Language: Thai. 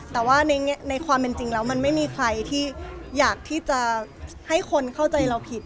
แต่ว่าในความเป็นจริงแล้วมันไม่มีใครที่อยากที่จะให้คนเข้าใจเราผิด